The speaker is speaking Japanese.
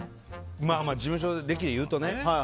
まあ事務所歴でいうとね。